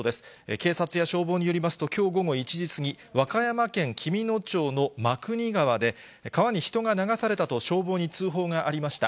警察や消防によりますと、きょう午後１時過ぎ、和歌山県紀美野町の真国川で、川に人が流されたと消防に通報がありました。